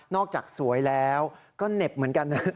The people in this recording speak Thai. จากสวยแล้วก็เหน็บเหมือนกันนะ